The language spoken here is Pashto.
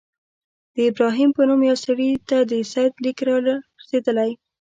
د ابراهیم په نوم یوه سړي ته د سید لیک را رسېدلی.